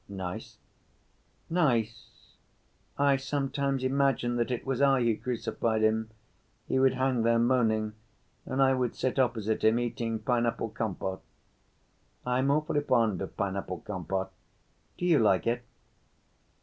"Nice?" "Nice; I sometimes imagine that it was I who crucified him. He would hang there moaning and I would sit opposite him eating pineapple compote. I am awfully fond of pineapple compote. Do you like it?"